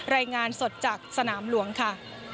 รายงานสดจากสนามหลวงค่ะ